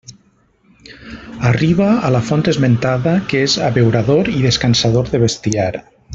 Arriba a la font esmentada, que és abeurador i descansador de bestiar.